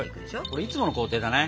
これいつもの工程だね。